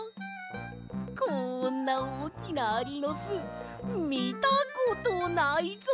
こんなおおきなアリのすみたことないぞ！